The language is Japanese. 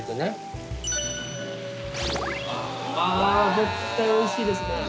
あ絶対おいしいですね！